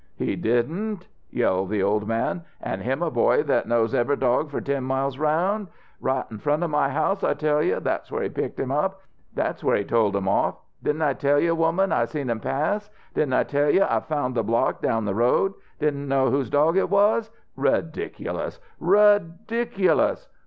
He didn't?" yelled the old man. "An' him a boy that knows ever' dog for ten miles around! Right in front of my house, I tell you that's where he picked him up that's where he tolled him off! Didn't I tell you, woman, I seen him pass? Didn't I tell you I found he block down the road? Didn't know whose dog it was? Ridiculous, ridiculous!